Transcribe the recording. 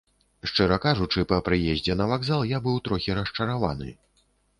Шчыра кажучы, па прыездзе на вакзал я быў трохі расчараваны.